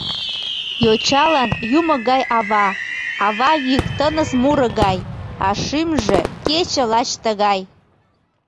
Йочалан Юмо гай ава, ава йӱк тыныс муро гай, а шӱмжӧ — кече лач тыгай.